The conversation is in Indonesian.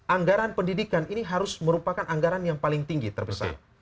anggaran pendidikan ini harus merupakan anggaran yang paling tinggi terbesar